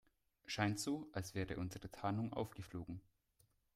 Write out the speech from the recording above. Scheint so, als wäre unsere Tarnung aufgeflogen.